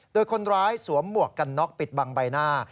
โดยคนร้ายสวมหมวกกันน็อกปิดบังใบหน้า